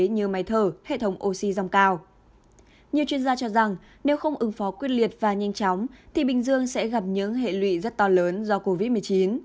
nhiều chuyên gia cho rằng nếu không ứng phó quyết liệt và nhanh chóng thì bình dương sẽ gặp những hệ lụy rất to lớn do covid một mươi chín